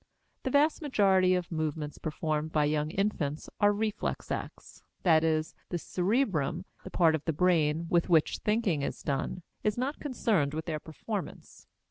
The vast majority of movements performed by young infants are reflex acts, that is, the cerebrum, the part of the brain with which thinking is done, is not concerned with their performance.